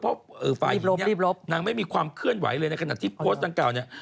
เพราะฝ่ายหญิงนางไม่มีความเคลื่อนไหวเลยในขณะที่โพสต์ดังกล่าวเนี่ย